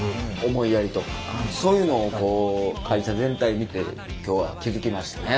思いやりとかそういうのをこう会社全体見て今日は気付きましたね